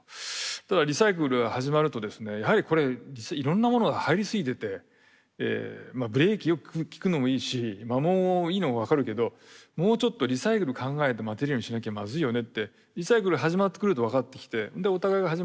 ただリサイクル始まるとですねやはりこれいろんなものが入りすぎててブレーキよく効くのもいいし摩耗いいのも分かるけどもうちょっとリサイクル考えてマテリアルにしなきゃまずいよねってリサイクル始まってくると分かってきてお互いが始まるんですよね多分ね。